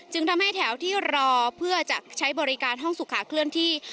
ทำให้แถวที่รอเพื่อจะใช้บริการห้องสุขาเคลื่อนที่